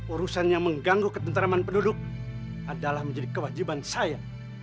urusan yang mengganggu ketentraman penduduk adalah menjadi kewajiban saya